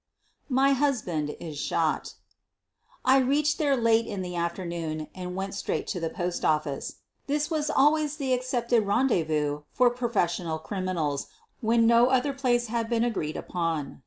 MY HUSBAND IS SHOT I reached there late in the afternoon and went straight to the postoffice. This was always the ac cepted rendezvous for professional criminals when no other place had been agreed upon.